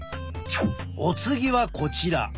お次はこちら。